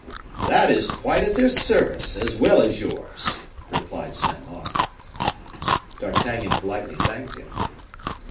"That is quite at their service, as well as yours," replied Saint Mars. D'Artagnan politely thanked him.